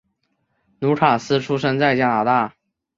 卢卡斯出生在加拿大。